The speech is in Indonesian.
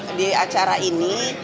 memang di acara ini